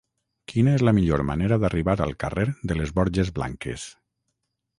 Quina és la millor manera d'arribar al carrer de les Borges Blanques?